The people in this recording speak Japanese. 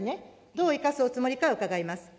どう生かすおつもりか、伺います。